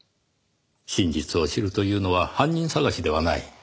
真実を知るというのは犯人捜しではない。